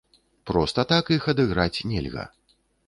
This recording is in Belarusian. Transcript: Проста так іх адыграць нельга.